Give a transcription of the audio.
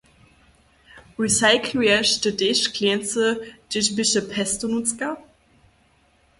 Recycluješ ty tež škleńcy, hdźež běše pesto nutřka?